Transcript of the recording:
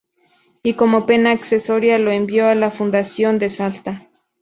Y como pena accesoria, lo envió a la fundación de Salta.